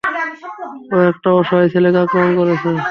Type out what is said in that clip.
ও একটা অসহায় ছেলেকে আক্রমণ করেছে।